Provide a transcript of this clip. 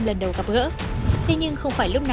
mấy khi đúng không